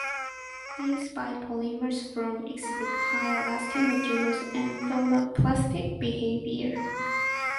These biopolymers form exhibit high elastic modulus and thermoplastic behavior.